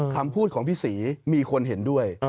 คำพูดของพี่ศรีมีคนเห็นด้วย